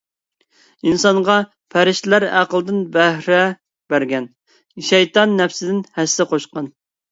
ئىنسانغا پەرىشتىلەر ئەقلىدىن بەھرە بەرگەن، شەيتان نەپسىدىن ھەسسە قوشقان.